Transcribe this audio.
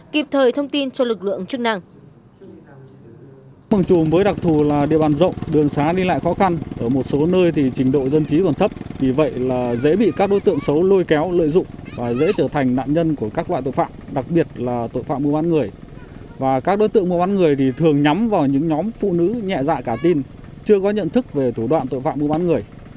kịp thời thông tin cho lực lượng chức năng